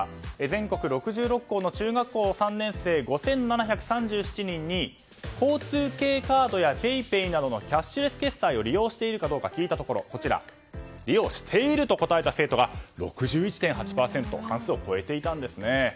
全国６６校の中学校３年生５７３７人に交通系カードやＰａｙＰａｙなどのキャッシュレス決済を利用しているかどうか聞いたところ利用していると答えた人が６１．８％半数を超えていたんですね。